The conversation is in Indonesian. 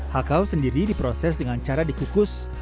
hakau sendiri diproses dengan cara dikukus